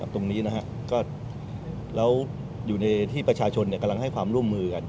ตรงนี้นะครับก็แล้วอยู่ในที่ประชาชนเนี่ยกำลังให้ความร่วมมือกัน